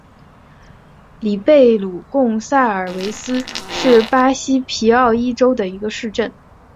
里贝鲁贡萨尔维斯是巴西皮奥伊州的一个市镇。